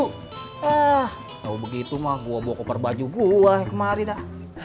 ah kalau begitu mah gua bawa koper baju gua kemari dah